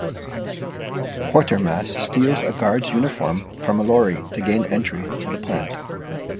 Quatermass steals a guard's uniform from a lorry to gain entry to the plant.